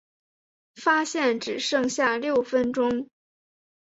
发现只剩下六分钟